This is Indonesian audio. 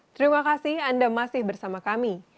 terima kasih anda masih bersama kami